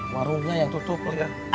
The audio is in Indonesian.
warungnya yang tutup ya